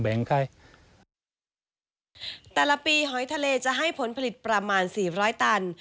หน่อยฮอยทะเลจะให้ปวดผลิตประมาณ๔๐๐ตัน